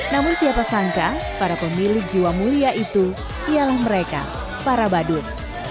namun siapa sangka para pemilik jiwa mulia itu ialah mereka para badut